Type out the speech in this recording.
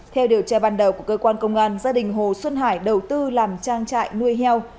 theo điều tra ban đầu của cơ quan công an gia đình hồ xuân hải đầu tư làm trang trại nuôi heo